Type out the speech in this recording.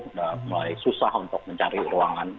sudah mulai susah untuk mencari ruangan